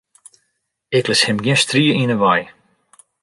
Ik lis him gjin strie yn 'e wei.